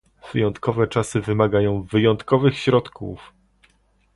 Wyjątkowe czasy wymagają wyjątkowych środków